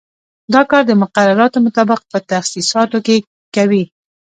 دا کار د مقرراتو مطابق په تخصیصاتو کې کوي.